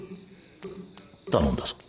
頼んだぞ。